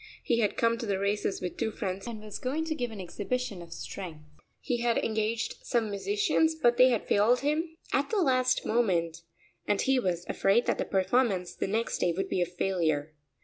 He had come to the races with two friends and was going to give an exhibition of strength. He had engaged some musicians but they had failed him at the last moment and he was afraid that the performance the next day would be a failure.